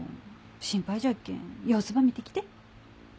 心配じゃっけん様子ば見てきて。